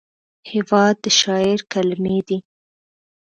هېواد د شاعر کلمې دي.